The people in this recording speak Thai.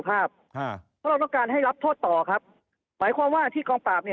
เพราะเราต้องการให้รับโทษต่อครับหมายความว่าที่กองปราบเนี่ย